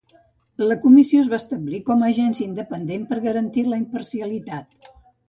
La comissió es va establir com a agència independent per garantir la imparcialitat.